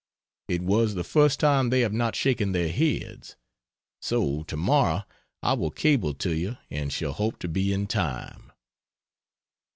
It was the first time they have not shaken their heads. So to morrow I will cable to you and shall hope to be in time.